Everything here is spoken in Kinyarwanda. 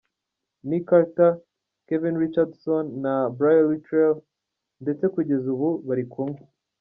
Nick Carter, Kevin Richardson na Brian Littrell ndetse kugeza ubu bari kumwe.